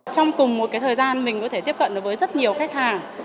trong cùng một thời gian mình có thể tiếp cận được với rất nhiều khách hàng